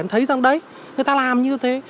thấy rằng đấy người ta làm như thế